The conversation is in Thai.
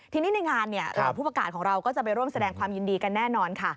ทีนี้ในงานเหล่าผู้ประกาศของเราก็จะไปร่วมแสดงความยินดีกันแน่นอนค่ะ